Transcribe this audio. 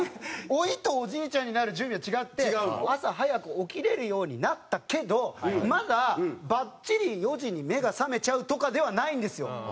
「老い」と「おじいちゃんになる準備」は違って朝早く起きれるようになったけどまだバッチリ４時に目が覚めちゃうとかではないんですよ。